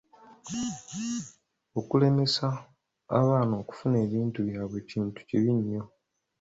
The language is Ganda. Okulemesa abaana okufuna ebintu byabwe kintu kibi nnyo.